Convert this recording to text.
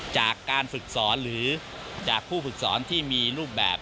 จากการฝึกสอนหรือจากผู้ฝึกสอนที่มีรูปแบบ